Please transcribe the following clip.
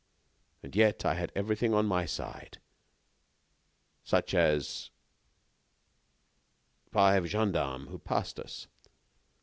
And yet I had everything on my side, such as five gendarmes who passed us."